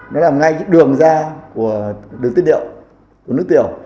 nó nằm ngay cái đường ra của đường tiến liệu của nước tiểu